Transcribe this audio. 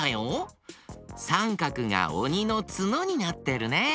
さんかくがおにのツノになってるね。